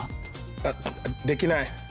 あっできない。